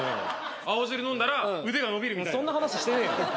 青汁飲んだら腕が伸びるみたいなそんな話してねえよ